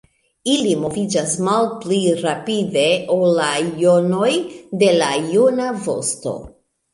Ili moviĝas malpli rapide ol la jonoj de la jona vosto.